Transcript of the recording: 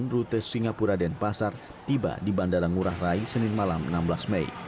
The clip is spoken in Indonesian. delapan rute singapura denpasar tiba di bandara ngurah rai senin malam enam belas mei